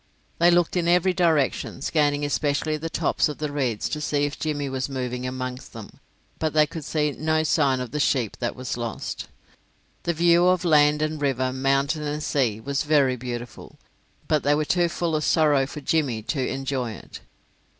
They looked in every direction, scanning especially the tops of the reeds to see if Jimmy was moving amongst them, but they could see no sign of the sheep that was lost. The view of land and river, mountain and sea, was very beautiful, but they were too full of sorrow for Jimmy to enjoy it.